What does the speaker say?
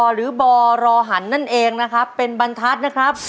หรือบรหันนั่นเองนะครับเป็นบรรทัศน์นะครับ